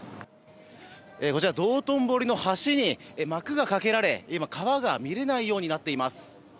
道頓堀の橋に幕がかけられ今、川が見れないようになっています。